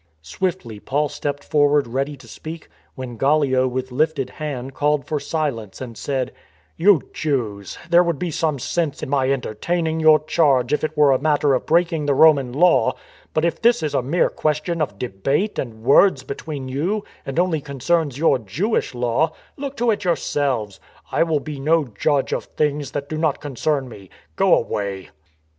Swiftly Paul stepped forward ready to speak, when Gallio with lifted hand called for silence and said :" You Jews, there would be some sense in my enter taining your charge if it were a matter of breaking the Roman law; but if this is a mere question of debate and words between you and only concerns your Jewish law, look to it yourselves. I will be no judge of things that do not concern me. Go away!